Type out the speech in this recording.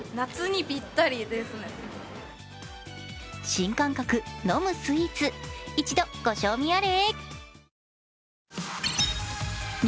新感覚、飲むスイーツ一度、ご賞味あれ。